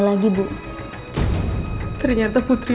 dan membuatnya seperti itu